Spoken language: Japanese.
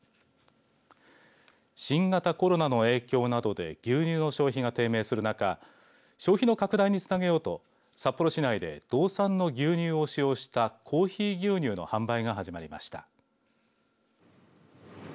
新型コロナの影響などで牛乳の消費が低迷する中消費の拡大につなげようと札幌市内で道産の牛乳を使用したコーヒー牛乳の販売が始まりました。